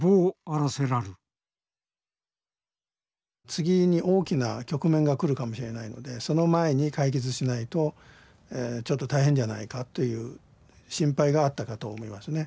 次に大きな局面が来るかもしれないのでその前に解決しないとちょっと大変じゃないかという心配があったかと思いますね。